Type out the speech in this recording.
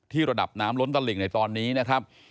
ระดับน้ำล้นตลิ่งในตอนนี้นะครับ